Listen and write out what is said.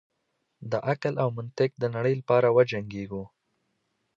د عقل او منطق د نړۍ لپاره وجنګیږو.